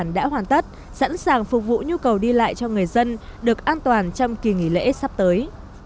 đã hoàn tất sẵn sàng phục vụ nhu cầu đi lại cho người dân được an toàn trong kỳ nghỉ lễ sắp tới